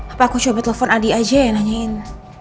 apa aku coba telepon adi aja yang nanyain